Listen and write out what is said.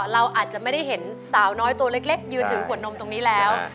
เราอาจจะไม่ได้เห็นสาวน้อยตัวเล็กยืนถือขวดนมตรงนี้แล้ว